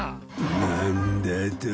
なんだと！